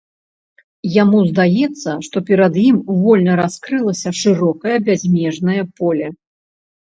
Яму здаецца, што перад ім вольна раскрылася шырокае бязмежнае поле.